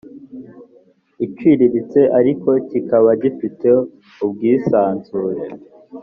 iciriritse ariko kikaba gifite ubwisanzure